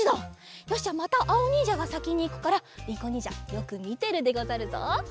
よしじゃあまたあおにんじゃがさきにいくからりいこにんじゃよくみてるでござるぞ。